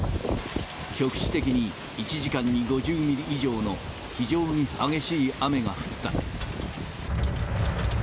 局地的に１時間に５０ミリ以上の非常に激しい雨が降った。